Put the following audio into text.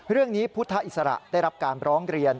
เรื่องนี้พุทธฤษระได้รับการพร้อมเรียน